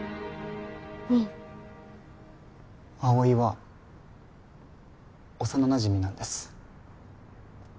うん葵は幼なじみなんです